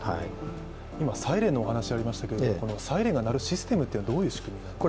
今、サイレンのお話ありましたけれどもサイレンが鳴るシステムというのはどういうものですか。